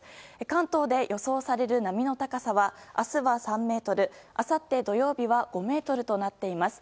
関東で予想される波の高さは明日は３ｍあさって土曜日は５ｍとなっています。